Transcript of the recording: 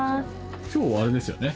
今日はあれですよね